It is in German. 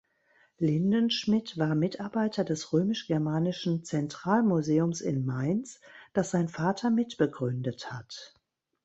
Lindenschmit war Mitarbeiter des Römisch-Germanischen Zentralmuseums in Mainz, das sein Vater mitbegründet hat.